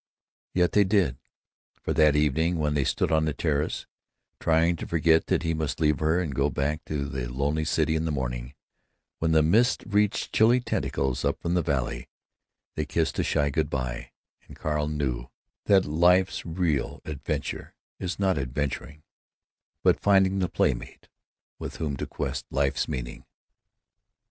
Yet they did. For that evening when they stood on the terrace, trying to forget that he must leave her and go back to the lonely city in the morning, when the mist reached chilly tentacles up from the valley, they kissed a shy good by, and Carl knew that life's real adventure is not adventuring, but finding the playmate with whom to quest life's meaning.